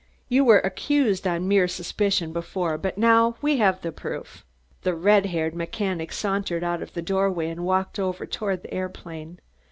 "You were accused on mere suspicion before, but now we have the proof." The red haired mechanic sauntered out of the doorway and walked over toward the aeroplane.